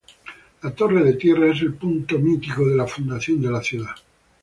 La Torre de Tierra es el punto mítico de fundación de la ciudad.